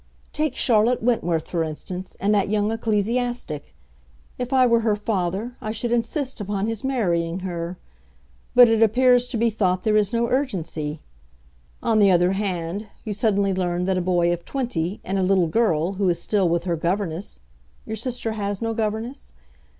Take Charlotte Wentworth, for instance, and that young ecclesiastic. If I were her father I should insist upon his marrying her; but it appears to be thought there is no urgency. On the other hand, you suddenly learn that a boy of twenty and a little girl who is still with her governess—your sister has no governess?